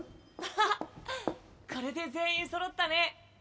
これで全員そろったね。